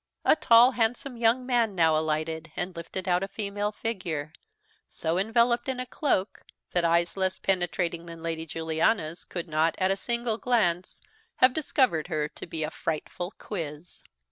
A tall handsome young man now alighted, and lifted out a female figure, so enveloped in a cloak that eyes less penetrating than Lady Juliana's could not, at a single glance, have discovered her to be a "frightful quiz."